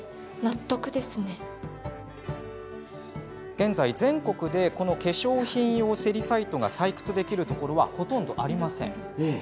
現在、全国でこの化粧品用セリサイトが採掘できるところはほとんどありません。